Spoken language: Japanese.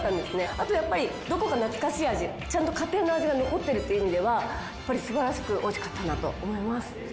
あとやっぱりどこか懐かしい味ちゃんと家庭の味が残ってるという意味ではやっぱり素晴らしく美味しかったなと思います。